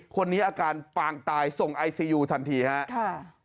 คนนี้อาการปางตายส่งไอซียูทันทีครับ